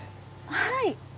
はい。